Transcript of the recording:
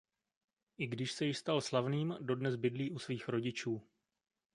I když se již stal slavným dodnes bydlí u svých rodičů.